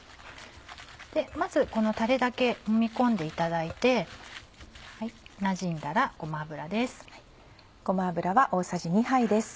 まずこのタレだけもみ込んでいただいてなじんだらごま油です。